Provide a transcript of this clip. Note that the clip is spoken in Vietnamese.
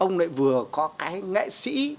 ông lại vừa có cái nghệ sĩ